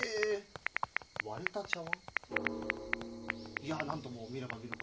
いや何とも見れば見るほど。